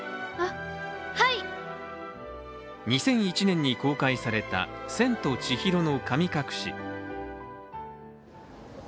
２００１年に公開された、「千と千尋の神隠し」。